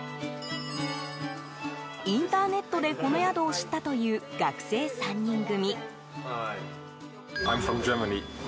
インターネットでこの宿を知ったという学生３人組。